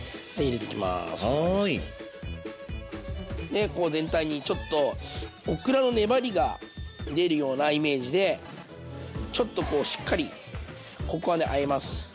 でこう全体にちょっとオクラの粘りが出るようなイメージでちょっとこうしっかりここはねあえます。